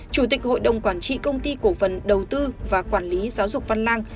chủ tịch hội đồng quản trị công ty cổ phần đầu tư và quản lý giáo dục văn lang